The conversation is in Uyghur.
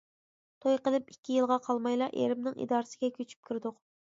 توي قىلىپ ئىككى يىلغا قالمايلا ئېرىمنىڭ ئىدارىسىگە كۆچۈپ كىردۇق.